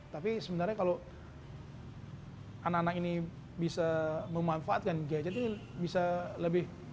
tapi sebenarnya kalau anak anak ini bisa memanfaatkan gadget ini bisa lebih